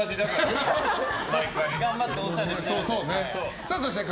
頑張っておしゃれしてます。